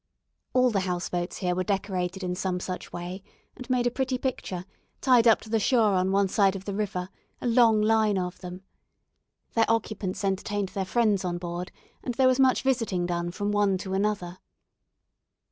All the house boats here were decorated in some such way, and made a pretty picture, tied up to the shore on one side of the river a long line of them. Their occupants entertained their friends on board, and there was much visiting done from one to another.